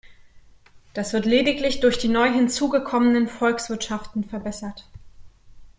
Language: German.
Das wird lediglich durch die neu hinzugekommenen Volkswirtschaften verbessert.